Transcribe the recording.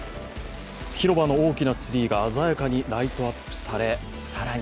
広場の大きなツリーが鮮やかにライトアップされ、更に